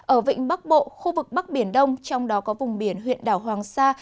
ở vịnh bắc bộ khu vực bắc biển đông trong đó có vùng biển huyện đảo hoàng sa